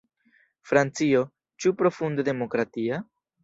Francio, ĉu profunde demokratia?